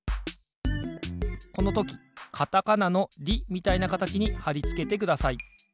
このときカタカナの「リ」みたいなかたちにはりつけてください。